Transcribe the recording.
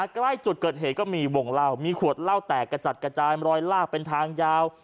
ใกล้จุดเกิดเหตุก็มีวงเล่ามีขวดเหล้าแตกกระจัดกระจายรอยลากเป็นทางยาว